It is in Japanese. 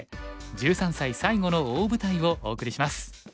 １３歳最後の大舞台」をお送りします。